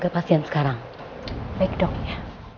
baik dong ya